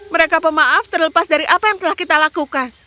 mereka pemaaf terlepas dari apa yang telah kita lakukan